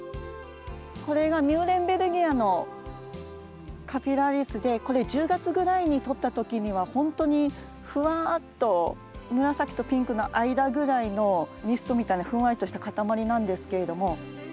これがミューレンベルギアのカピラリスでこれ１０月ぐらいに撮った時にはほんとにふわっと紫とピンクの間ぐらいのミストみたいなふんわりとした塊なんですけれども。